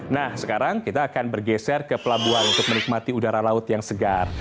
nah sekarang kita akan bergeser ke pelabuhan untuk menikmati udara laut yang segar